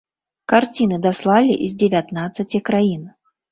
Карціны даслалі з дзевятнаццаці краін.